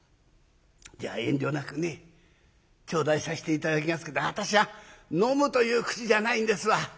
じゃ遠慮なくね頂戴させて頂きますけど私は飲むという口じゃないんですわ。